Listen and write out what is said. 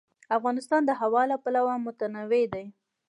افغانستان د هوا له پلوه متنوع دی.